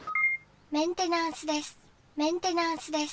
メンテナンスです。